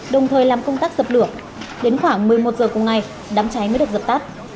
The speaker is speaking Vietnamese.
đồng thời làm công tác dập lửa đến khoảng một mươi một giờ cùng ngày đám cháy mới được dập tắt